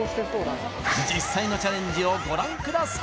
実際のチャレンジをご覧ください